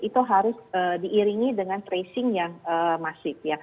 itu harus diiringi dengan tracing yang masif